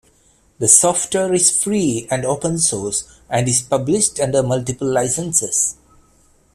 The software is free and open source and is published under multiple licenses.